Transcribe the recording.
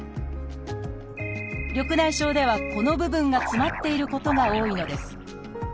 緑内障ではこの部分が詰まっていることが多いのです。